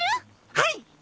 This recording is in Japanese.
はい！